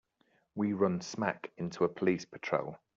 We run smack into a police patrol.